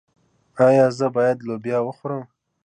ایا زه باید لوبیا وخورم؟